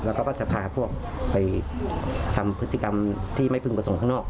แล้วก็จะพาพวกไปทำพฤติกรรมที่ไม่พึงประสงค์ข้างนอก